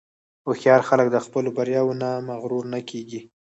هوښیار خلک د خپلو بریاوو نه مغرور نه کېږي.